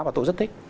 và tôi rất thích